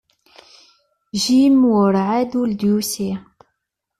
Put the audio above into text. Jim werɛad ur d-yusi.